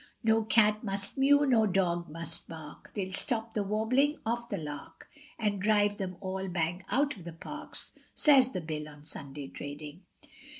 No cat must mew, no dog must bark, They'll stop the warbling of the lark, And drive them all bang out of the parks, Says the Bill on Sunday trading.